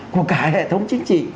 của cái hệ thống chính trị